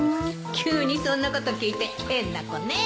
急にそんなこと聞いて変な子ねえ。